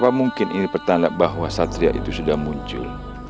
apa mungkin ini pertanda bahwa satria itu sudah muncul